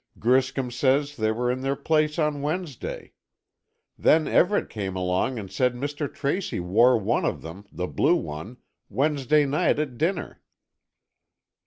Griscom says they were in their place on Wednesday. Then Everett came along and said Mr. Tracy wore one of them, the blue one, Wednesday night at dinner."